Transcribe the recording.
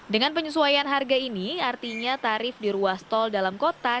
dengan penyesuaian harga ini artinya tarif di ruas tol dalam kota